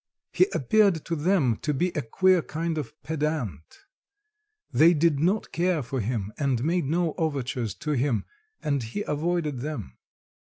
He appeared to them to be a queer kind of pedant; they did not care for him, and made no overtures to him, and he avoided them.